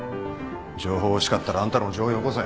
情報欲しかったらあんたの情報よこせ。